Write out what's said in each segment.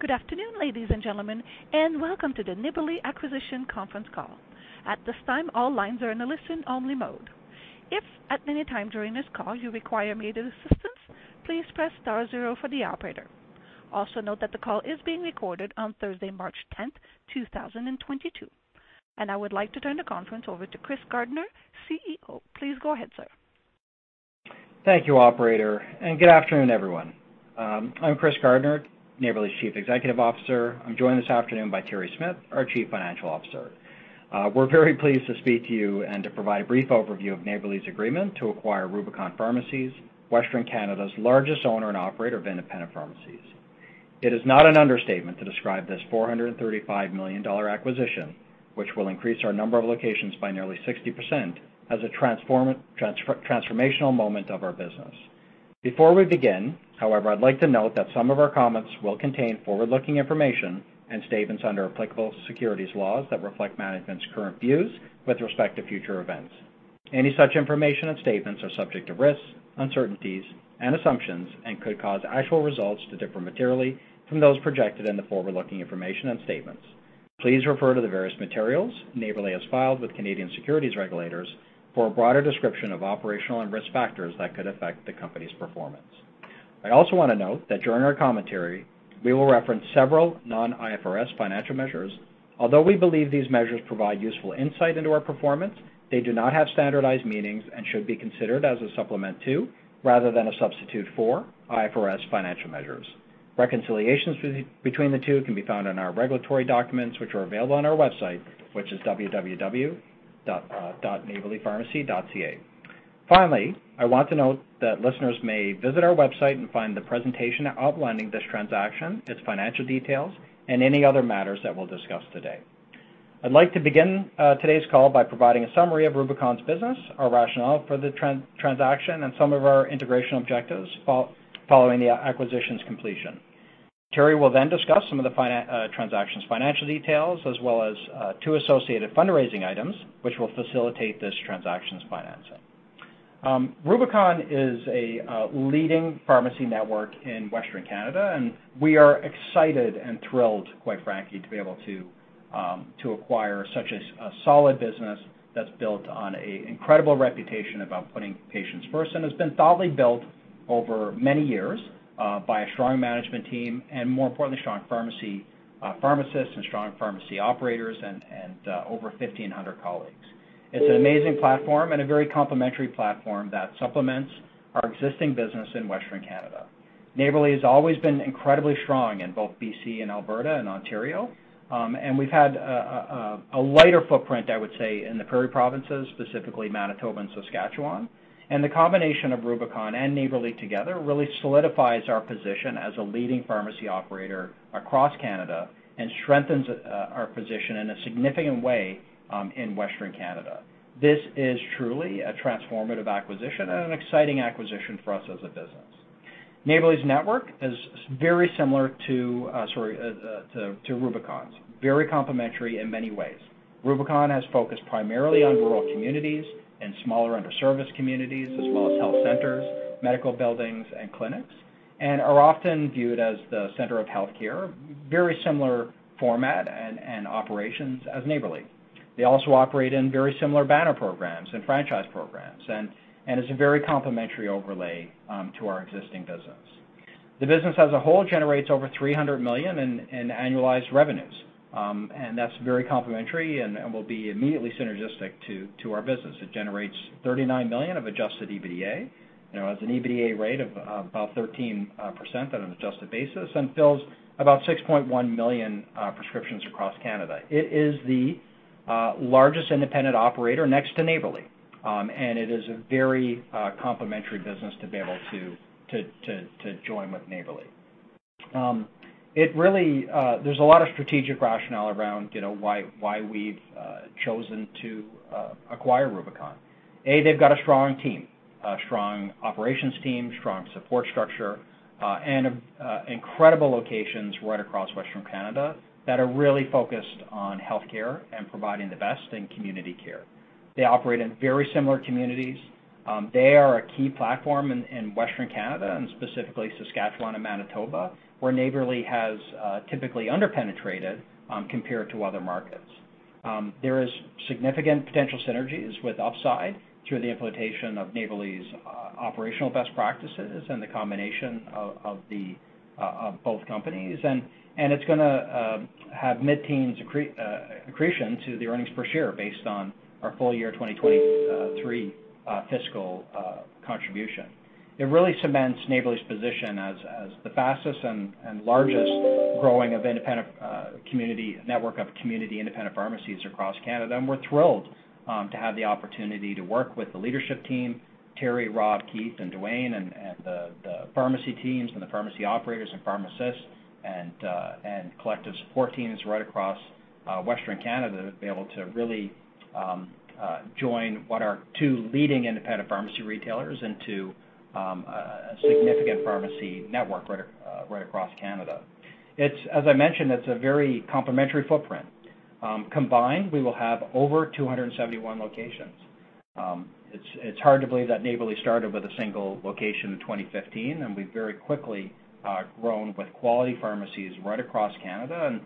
Good afternoon, ladies and gentlemen, and welcome to the Neighbourly Acquisition Conference Call. At this time, all lines are in a listen-only mode. If at any time during this call you require immediate assistance, please press star zero for the operator. Also note that the call is being recorded on Thursday, March 10th, 2022. I would like to turn the conference over to Chris Gardner, CEO. Please go ahead, sir. Thank you, operator, and good afternoon, everyone. I'm Chris Gardner, Neighbourly's Chief Executive Officer. I'm joined this afternoon by Terri Smyth, our Chief Financial Officer. We're very pleased to speak to you and to provide a brief overview of Neighbourly's agreement to acquire Rubicon Pharmacies, Western Canada's largest owner and operator of independent pharmacies. It is not an understatement to describe this 435 million dollar acquisition, which will increase our number of locations by nearly 60% as a transformational moment of our business. Before we begin, however, I'd like to note that some of our comments will contain forward-looking information and statements under applicable securities laws that reflect management's current views with respect to future events. Any such information and statements are subject to risks, uncertainties and assumptions and could cause actual results to differ materially from those projected in the forward-looking information and statements. Please refer to the various materials Neighbourly has filed with Canadian securities regulators for a broader description of operational and risk factors that could affect the company's performance. I also wanna note that during our commentary, we will reference several non-IFRS financial measures. Although we believe these measures provide useful insight into our performance, they do not have standardized meanings and should be considered as a supplement to, rather than a substitute for IFRS financial measures. Reconciliations between the two can be found in our regulatory documents, which are available on our website, which is www.neighbourlypharmacy.ca. Finally, I want to note that listeners may visit our website and find the presentation outlining this transaction, its financial details, and any other matters that we'll discuss today. I'd like to begin today's call by providing a summary of Rubicon's business, our rationale for the transaction, and some of our integration objectives following the acquisition's completion. Terri will then discuss some of the transaction's financial details, as well as two associated fundraising items which will facilitate this transaction's financing. Rubicon is a leading pharmacy network in Western Canada, and we are excited and thrilled, quite frankly, to be able to acquire such a solid business that's built on an incredible reputation about putting patients first and has been thoughtfully built over many years by a strong management team and, more importantly, strong pharmacists and strong pharmacy operators and over 1,500 colleagues. It's an amazing platform and a very complementary platform that supplements our existing business in Western Canada. Neighbourly has always been incredibly strong in both BC and Alberta and Ontario, and we've had a lighter footprint, I would say, in the prairie provinces, specifically Manitoba and Saskatchewan. The combination of Rubicon and Neighbourly together really solidifies our position as a leading pharmacy operator across Canada and strengthens our position in a significant way in Western Canada. This is truly a transformative acquisition and an exciting acquisition for us as a business. Neighbourly's network is very similar to Rubicon's. Very complementary in many ways. Rubicon has focused primarily on rural communities and smaller underserviced communities, as well as health centers, medical buildings and clinics, and are often viewed as the center of healthcare. Very similar format and operations as Neighbourly. They also operate in very similar banner programs and franchise programs and is a very complementary overlay to our existing business. The business as a whole generates over 300 million in annualized revenues, and that's very complementary and will be immediately synergistic to our business. It generates 39 million of adjusted EBITDA, you know, has an EBITDA rate of about 13% on an adjusted basis and fills about 6.1 million prescriptions across Canada. It is the largest independent operator next to Neighbourly, and it is a very complementary business to be able to join with Neighbourly. It really, there's a lot of strategic rationale around, you know, why we've chosen to acquire Rubicon. They've got a strong team, a strong operations team, strong support structure, and incredible locations right across Western Canada that are really focused on healthcare and providing the best in community care. They operate in very similar communities. They are a key platform in Western Canada and specifically Saskatchewan and Manitoba, where Neighbourly has typically underpenetrated compared to other markets. There is significant potential synergies with upside through the implementation of Neighbourly's operational best practices and the combination of both companies. It's gonna have mid-teens accretion to the earnings per share based on our full year 2023 fiscal contribution. It really cements Neighbourly's position as the fastest and largest growing of independent community network of community independent pharmacies across Canada. We're thrilled to have the opportunity to work with the leadership team, Terri, Rob, Keith and Dwayne, and the pharmacy teams and the pharmacy operators and pharmacists and collective support teams right across Western Canada to be able to really join what are two leading independent pharmacy retailers into a significant pharmacy network right across Canada. It's a very complementary footprint. Combined, we will have over 271 locations. It's hard to believe that Neighbourly started with a single location in 2015, and we've very quickly grown with quality pharmacies right across Canada.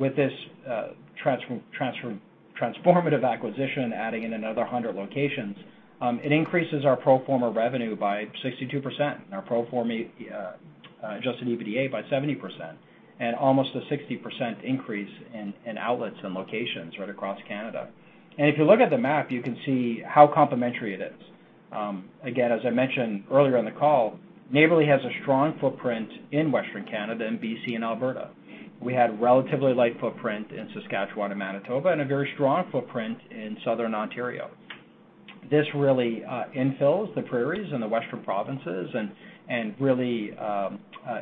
With this transformative acquisition, adding in another 100 locations, it increases our pro forma revenue by 62%, our pro forma adjusted EBITDA by 70%, and almost a 60% increase in outlets and locations right across Canada. If you look at the map, you can see how complementary it is. Again, as I mentioned earlier in the call, Neighbourly has a strong footprint in Western Canada, in B.C. and Alberta. We had a relatively light footprint in Saskatchewan and Manitoba and a very strong footprint in Southern Ontario. This really infills the prairies in the western provinces and really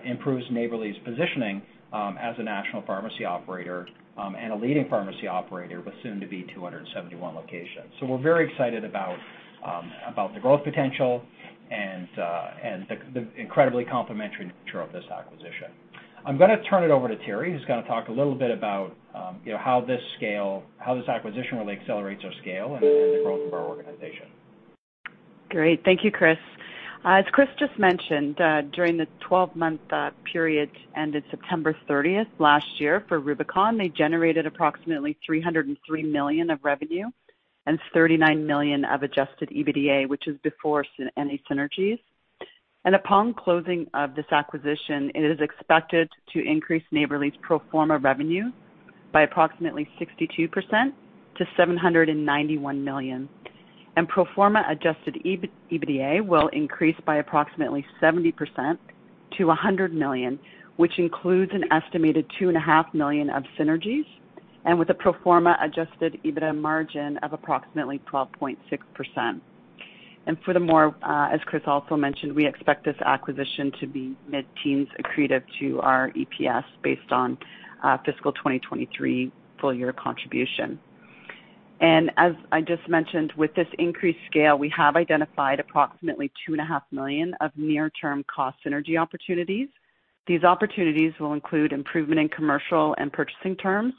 improves Neighbourly's positioning as a national pharmacy operator and a leading pharmacy operator with soon-to-be 271 locations. We're very excited about the growth potential and the incredibly complementary nature of this acquisition. I'm gonna turn it over to Terri, who's gonna talk a little bit about, you know, how this acquisition really accelerates our scale and the growth of our organization. Great. Thank you, Chris. As Chris just mentioned, during the twelve-month period ended September thirtieth last year for Rubicon, they generated approximately 303 million of revenue and 39 million of adjusted EBITDA, which is before any synergies. Upon closing of this acquisition, it is expected to increase Neighbourly's pro forma revenue by approximately 62% to 791 million. Pro forma adjusted EBITDA will increase by approximately 70% to 100 million, which includes an estimated 2.5 million of synergies, and with a pro forma adjusted EBITDA margin of approximately 12.6%. Furthermore, as Chris also mentioned, we expect this acquisition to be mid-teens accretive to our EPS based on fiscal 2023 full year contribution. As I just mentioned, with this increased scale, we have identified approximately 2.5 million of near-term cost synergy opportunities. These opportunities will include improvement in commercial and purchasing terms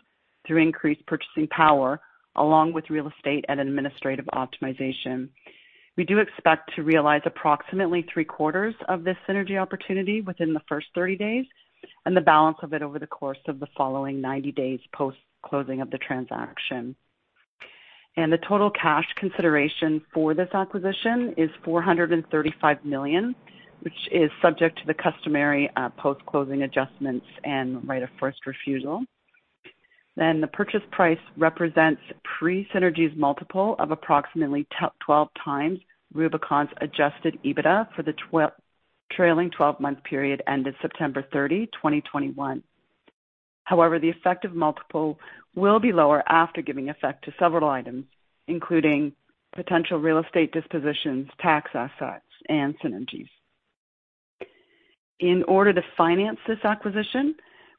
through increased purchasing power, along with real estate and administrative optimization. We do expect to realize approximately three-quarters of this synergy opportunity within the first 30 days and the balance of it over the course of the following 90 days post-closing of the transaction. The total cash consideration for this acquisition is 435 million, which is subject to the customary post-closing adjustments and right of first refusal. The purchase price represents pre-synergies multiple of approximately 12x Rubicon's adjusted EBITDA for the trailing twelve-month period ended September 30, 2021. However, the effect of multiple will be lower after giving effect to several items, including potential real estate dispositions, tax assets, and synergies. In order to finance this acquisition,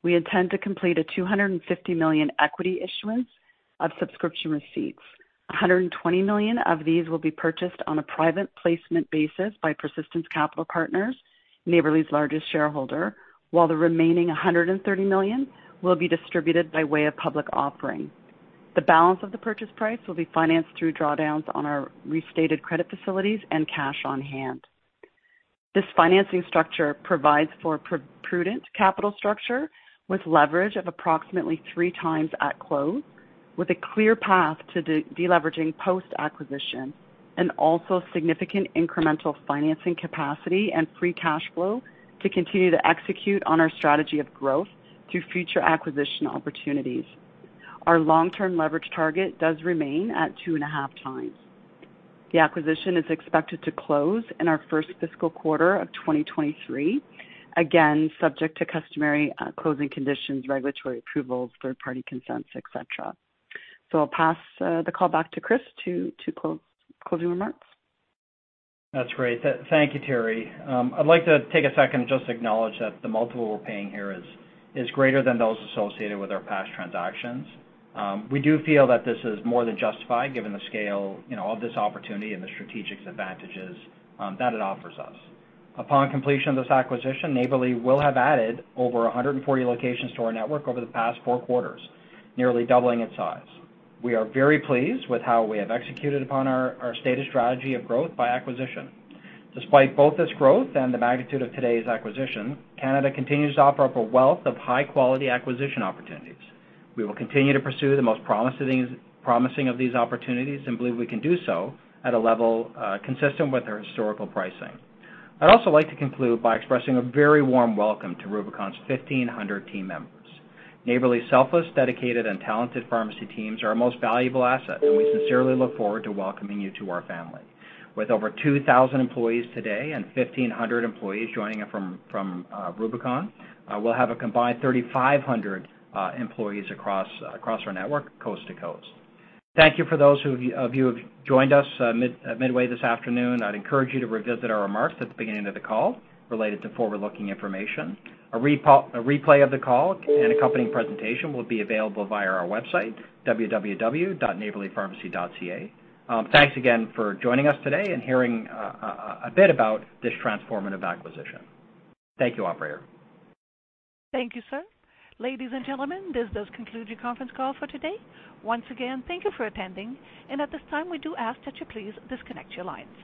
we intend to complete a 250 million equity issuance of subscription receipts. 120 million of these will be purchased on a private placement basis by Persistence Capital Partners, Neighbourly's largest shareholder, while the remaining 130 million will be distributed by way of public offering. The balance of the purchase price will be financed through drawdowns on our restated credit facilities and cash on hand. This financing structure provides for prudent capital structure with leverage of approximately 3x at close, with a clear path to deleveraging post-acquisition, and also significant incremental financing capacity and free cash flow to continue to execute on our strategy of growth through future acquisition opportunities. Our long-term leverage target does remain at 2.5x. The acquisition is expected to close in our first fiscal quarter of 2023, again, subject to customary closing conditions, regulatory approvals, third-party consents, et cetera. I'll pass the call back to Chris to closing remarks. That's great. Thank you, Terri. I'd like to take a second to just acknowledge that the multiple we're paying here is greater than those associated with our past transactions. We do feel that this is more than justified given the scale, you know, of this opportunity and the strategic advantages that it offers us. Upon completion of this acquisition, Neighbourly will have added over 140 locations to our network over the past four quarters, nearly doubling its size. We are very pleased with how we have executed upon our stated strategy of growth by acquisition. Despite both this growth and the magnitude of today's acquisition, Canada continues to offer up a wealth of high-quality acquisition opportunities. We will continue to pursue the most promising of these opportunities and believe we can do so at a level consistent with our historical pricing. I'd also like to conclude by expressing a very warm welcome to Rubicon's 1,500 team members. Neighbourly's selfless, dedicated, and talented pharmacy teams are our most valuable asset, and we sincerely look forward to welcoming you to our family. With over 2,000 employees today and 1,500 employees joining it from Rubicon, we'll have a combined 3,500 employees across our network, coast to coast. Thank you for those of you who've joined us midway this afternoon. I'd encourage you to revisit our remarks at the beginning of the call related to forward-looking information. A replay of the call and accompanying presentation will be available via our website, www.neighbourlypharmacy.ca. Thanks again for joining us today and hearing a bit about this transformative acquisition. Thank you, operator. Thank you, sir. Ladies and gentlemen, this does conclude your conference call for today. Once again, thank you for attending. At this time, we do ask that you please disconnect your lines.